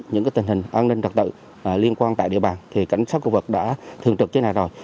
những tình hình an ninh trật tự liên quan tại địa bàn thì cảnh sát khu vực đã thường trực trên này rồi